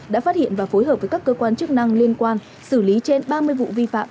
đã phát hiện và phối hợp với các cơ quan chức năng liên quan xử lý trên ba mươi vụ vi phạm